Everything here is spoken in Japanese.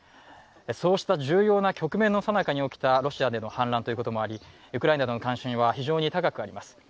そうした重要な局面のさなかに起きたロシアでの反乱ということもあり、ロシア軍の関心は非常に高くあります。